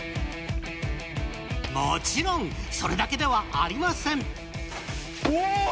もちろんそれだけではありません。